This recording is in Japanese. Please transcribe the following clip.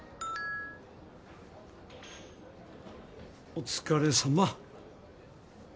お疲れさま。